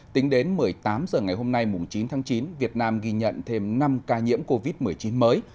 tính đến một mươi tám h ngày hôm nay chín tháng chín việt nam ghi nhận thêm năm ca nhiễm covid một mươi chín mới